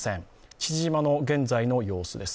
父島の現在の様子です。